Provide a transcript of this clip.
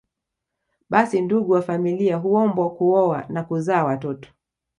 Basi ndugu wa familia huombwa kuoa na kuzaa watoto